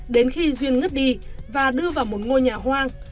đến khi duyên ngứt đi và đưa vào một ngôi nhà hoang